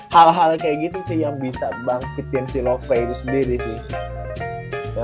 hal hal kayak gitu sih yang bisa bangkitin si love itu sendiri sih